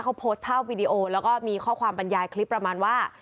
เขาโพสต์ภาพวิดีโอแล้วก็มีข้อความบรรยายคลิปประมาณว่า